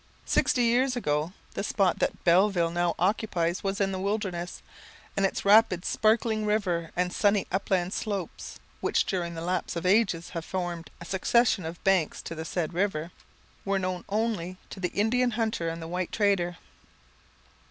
Sixty years ago, the spot that Belleville now occupies was in the wilderness; and its rapid, sparkling river and sunny upland slopes (which during the lapse of ages have formed a succession of banks to the said river), were only known to the Indian hunter and the white trader.